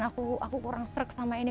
aku kurang serik sama ini